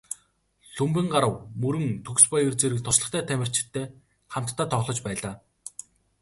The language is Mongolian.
Лхүмбэнгарав, Мөрөн, Төгсбаяр зэрэг туршлагатай тамирчидтай хамтдаа тоглож байлаа.